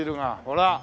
ほら！